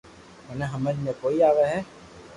مني ھمج ڪوئي آوي ھي